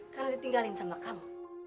karena ditinggalin sama kamu